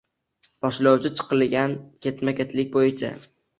Boshlovchi chiqilgan ketma-ketlik bo‘yicha